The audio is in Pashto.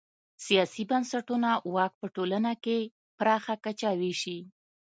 سیاسي بنسټونه واک په ټولنه کې پراخه کچه وېشي.